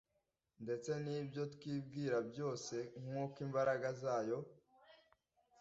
ndetse n ibyo twibwira byose nk uko imbaraga zayo